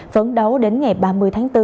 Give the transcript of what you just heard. phấn đấu đến ngày ba mươi tháng bốn